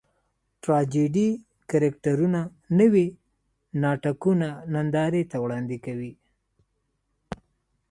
ټراجېډي کرکټرونه نوي ناټکونه نندارې ته وړاندې کوي.